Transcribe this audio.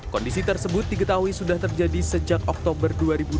kondisi tersebut diketahui sudah terjadi sejak oktober dua ribu dua puluh